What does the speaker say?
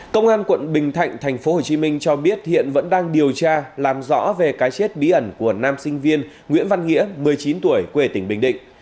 công an quận bình thạnh tp hcm cho biết hiện vẫn đang điều tra làm rõ về cái chết bí ẩn của nam sinh viên nguyễn văn nghĩa một mươi chín tuổi quê tỉnh bình định